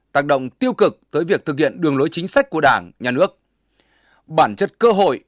tác động tiêu cực tới việc thực hiện đường lối chính sách của đảng nhà nước bản chất cơ hội